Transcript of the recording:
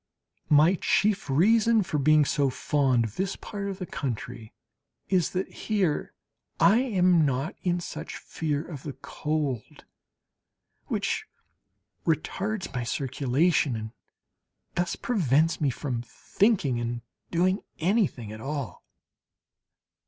My chief reason for being so fond of this part of the country is that here I am not in such fear of the cold which retards my circulation, and thus prevents me from thinking and doing anything at all.